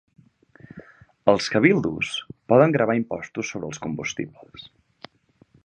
Els "cabildos" poden gravar impostos sobre els combustibles.